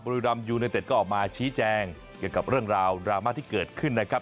ริรัมยูเนเต็ดก็ออกมาชี้แจงเกี่ยวกับเรื่องราวดราม่าที่เกิดขึ้นนะครับ